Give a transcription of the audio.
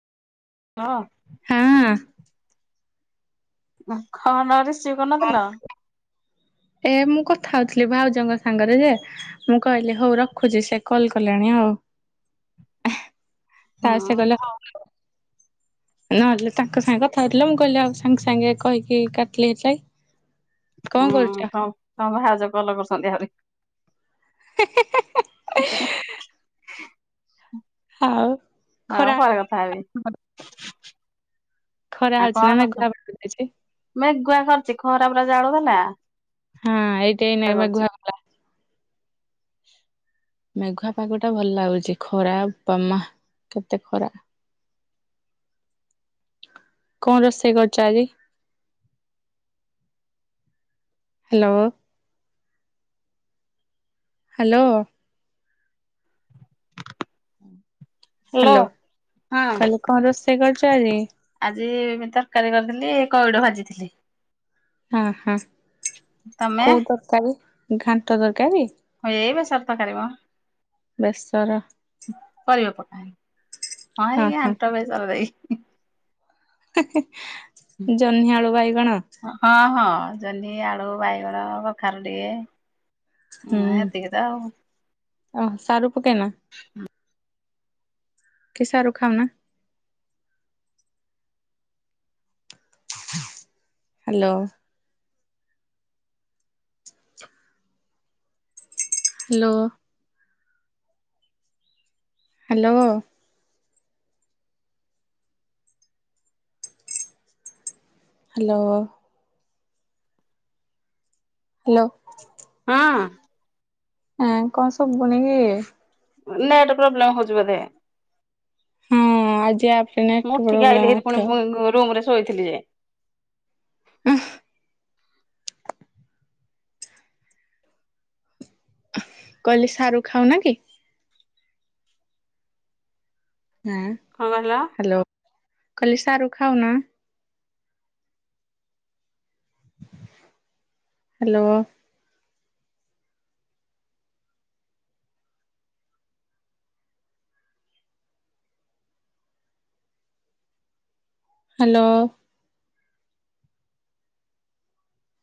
ହଁ। ହଁ ଖ ନରେ ରିସିଭ କରନଥିଲ। [unintelligible] ଏ ମୁଁ କଥା ହଉଥିଲି ଭାଉଜଙ୍କ ସାଙ୍ଗରେ ଯେ, ମୁଁ କହିଲି ହଉ ରଖୁଛି ସେ କଲ କଲେଣି ଆ ହଉ ହୁଁ ତା ସେ କଲେ ହଉ ହଉ। [unintelligible] [inaudible] ନହେଲେ ତାଙ୍କ ସାଙ୍ଗେ କଥା ହଉଥିଲି ତ ମୁଁ କହିଲି ଆଉ ସାଙ୍ଗେ ସାଙ୍ଗେ କହିକି କାଟିଲି ହେଥି ଲାଗି। ହୁଁ ହଉ ହଉ ଭାଉଜ କଲ କରୁଛନ୍ତି ଆହୁରି। ହେ ହେ ହେ ହେ ହେ ଏ। [inaudible] ହଉ। ହଁ ପରେ କଥା ହେବି। ଖରା ଆଉ ହଉଛି ନା କଣ କରୁଛ ମେଘୁଆ ପାଗ ଦେଇଛି। ମେଘୁଆ କରିଛି ଖରା ପୁରା ଜାଳୁ ଥେଲା। ହଁ ଏଇଟି ଏଇଟି ଏଇନେ ମେଘୁଆ କଲା ଭଳିଆ ହେଇଚି। [inaudible] ମେଘୁଆ ପାଗ ଟା ଭଲ ଲାଗୁଛି। ଖରା ବୋପା ମା କେତେ ଖରା। କଣ ରୋଷେଇ କରିଚ ଆଜି? ହ୍ୟାଲୋ। ହ୍ୟାଲୋ। ହୁଁ। ହ୍ୟାଲୋ। କଣ ରୋଷେଇ କରିଛ ହଁ ଆଜି? ଆଜି ମୁ ତରକାରୀ କରିଥିଲି। କଇଡ଼ ଭାଜିଥିଲି। ହଁ ହଁ ତମେ କୋଉ ତରକାରୀ ଘାଣ୍ଟ ତର ହ ଏଇ ବେସର ତରକାରୀ ମ ବେସର ପରିବା ପକା ହେଇ ହଁ ଏଇ ଆଣ୍ଟ ବେସର ଦେଇ। ଜହ୍ନି ଆଳୁ ବାଇଗଣ ହଁ ହଁ। ଜହ୍ନି, ଆଳୁ, ବାଇଗଣ, କଖାରୁ ଟିକେ ହୁଁ। ହ ହେତିକି ତ ଆଉ। ଓ ସାରୁ ପକେଇନା କି ଶାରୁ ଖାଉନା? Hello. Hello. Hello. Hello. Hello. ହଁ। ହଁ କଣ ଶୁବୁନିକି? ନେଟ ପ୍ରୋବ୍ଲେମ ହଉଛି ବୋଧେ। ହଁ ଆଜି ନେଟ ମୁଁ ଉଠିକି ଆଇଲି ପ୍ରୋବ୍ଲେମ ହେରି ପୁଣି ଥିବ ରୁମ ରେ ଶୋଇଥିଲି ଯେ ହ। କହିଲି ସାରୁ ଖାଉନା କି? ହଁ କଣ କହିଲ? ହ୍ୟାଲୋ କହିଁଲି ସାରୁ ଖାଉନ? ହ୍ୟାଲୋ। ହ୍ୟାଲୋ।